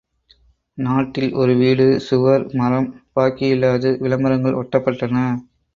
நாட்டில் ஒரு வீடு, சுவர், மரம் பாக்கியில்லாது விளம்பரங்கள் ஒட்டப்பட்டன.